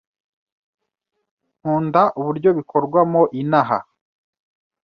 nkunda uburyo bikorwamo inaha